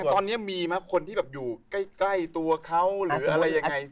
ตอนนี้มีไหมคนที่แบบอยู่ใกล้ตัวเขาหรืออะไรยังไง